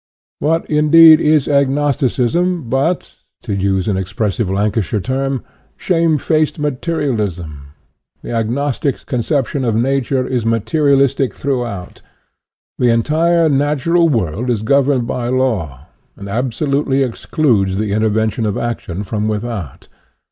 What, indeed, is agnosticism, but, to use an expressive Lancashire term, " shamefaced " ma terialism? The agnostic's conception of Nature is materialistic throughout. The entire natural world is governed by law, and absolutely excludes the intervention of action from without.